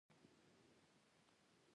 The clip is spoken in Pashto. د لویو فرصتونو څرک هم لګېدلی شي.